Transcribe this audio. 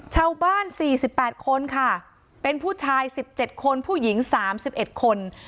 ชาวบ้าน๔๘คนค่ะเป็นผู้ชาย๑๗คนผู้หญิง๓๑คน